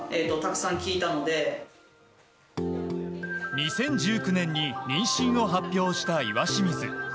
２０１９年に妊娠を発表した岩清水。